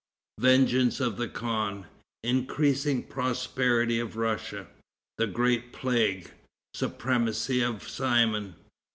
Vengeance of the Khan. Increasing Prosperity of Russia. The Great Plague. Supremacy of Simon.